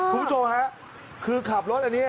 คุณผู้ชมฮะคือขับรถอันนี้